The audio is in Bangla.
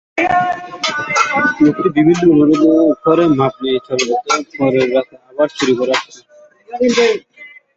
কিন্তু লোকটি বিভিন্ন অনুরোধ করে মাফ নিয়ে চলে যেত এবং পরের রাতে আবার চুরি করতে আসতো।